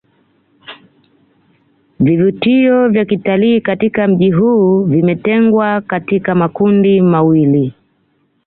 vivutio vya kitalii katika mji huu vimetengwa katika makundi mawili